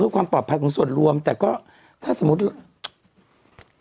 คือทางฝั่งของผมมีโอกาสที่คุยกับตำรวจ